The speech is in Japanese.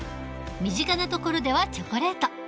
身近なところではチョコレート。